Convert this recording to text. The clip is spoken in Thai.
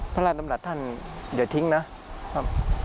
พระราชดำรัฐท่านอย่าทิ้งนะครับ